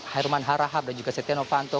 herman harahap dan juga setia novanto